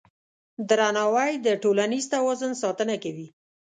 درناوی د ټولنیز توازن ساتنه کوي.